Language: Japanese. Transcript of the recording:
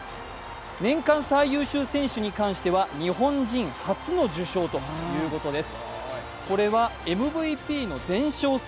年間最優秀選手に関しては日本人初の受賞ということです。